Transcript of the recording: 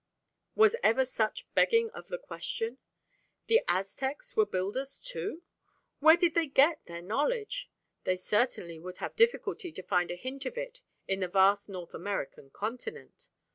Was ever such begging of the question? The Aztecs were builders, too! Where did they get their knowledge? They certainly would have difficulty to find a hint of it in the vast North American Continent.